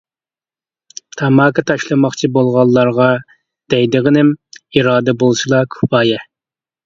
تاماكا تاشلىماقچى بولغانلارغا دەيدىغىنىم، ئىرادە بولسىلا كۇپايە.